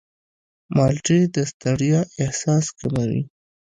مالټې د ستړیا احساس کموي.